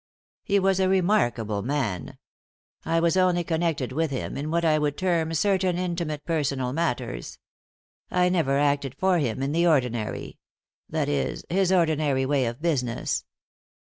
He was a remarkable man. I was only connected with him in what I would term certain intimate personal matters ; I never acted for him in the ordinary — that is, his ordinary way of business.